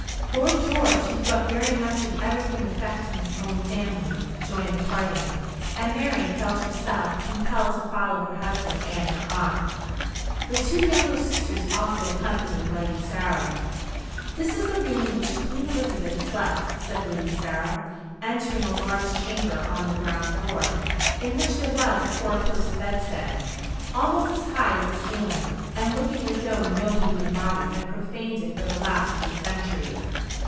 Lord George, who thought very much of everything affecting his own family, joined the party, and Mary felt herself compelled to follow her husband and her aunt. The two younger sisters also accompanied Lady Sarah. "This is the room in which Queen Elizabeth slept," said Lady Sarah, entering a large chamber on the ground floor, in which there was a four post bedstead, almost as high as the ceiling, and looking as though no human body had profaned it for the last three centuries.